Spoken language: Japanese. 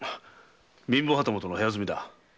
貧乏旗本の部屋住みだ。